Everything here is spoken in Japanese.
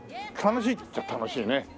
楽しいっちゃ楽しいね。